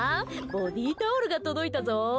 ボディータオルが届いたぞ！